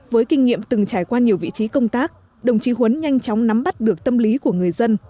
với kinh nghiệm từng trải qua nhiều vị trí công tác đồng chí huấn nhanh chóng nắm bắt được tâm lý của người dân